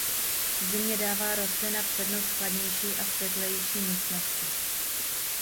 V zimě dává rostlina přednost chladnější a světlejší místnosti.